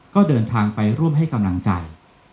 ก็เดินทางไปร่วมให้กำลังใจ